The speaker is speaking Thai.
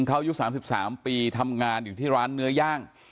เขาอายุ๓๓ปีทำงานอยู่ที่ร้านเนื้อย่าง